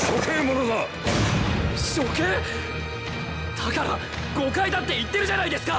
だから誤解だって言ってるじゃないですか！